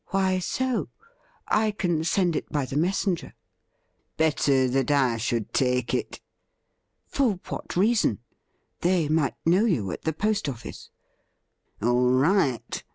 ' Why so ? I can send it by the messenger.' ' Better I should take it.' ' For what reason .'' They might know you at the post office.' ' All right.